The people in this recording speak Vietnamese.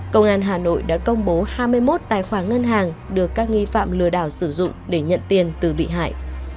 công an hà nội đã công bố hai mươi một tài khoản ngân hàng được các nghi phạm lừa đảo sử dụng để nhận tiền từ bị hại